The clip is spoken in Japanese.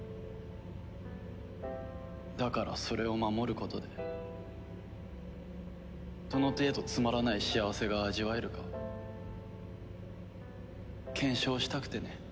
だからそれを守ることでどの程度つまらない幸せが味わえるか検証したくてね。